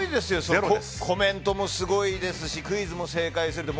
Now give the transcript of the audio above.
コメントもすごいですしクイズも正解するって。